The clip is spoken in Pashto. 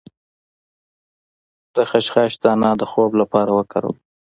د خشخاش دانه د خوب لپاره وکاروئ